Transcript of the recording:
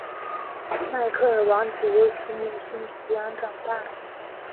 迈克尔王子由其母亲抚养长大。